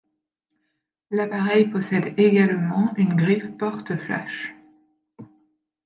L'appareil possède également une griffe porte-flash.